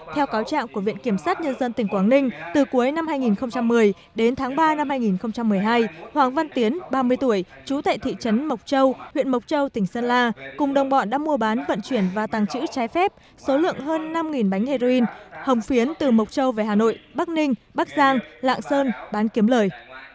theo cáo trạng của viện kiểm sát nhân dân tỉnh quảng ninh từ cuối năm hai nghìn một mươi đến tháng ba năm hai nghìn một mươi hai hoàng văn tiến ba mươi tuổi chú tại thị trấn mộc châu huyện mộc châu tỉnh sơn la cùng đồng bọn đã mua bán vận chuyển và tăng trữ trái phép số lượng hơn năm bánh heroin hồng phiến từ mộc châu về hà nội bắc ninh bắc giang lạng sơn bán kiếm lời